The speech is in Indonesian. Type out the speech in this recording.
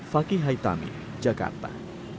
fakih haitami jakarta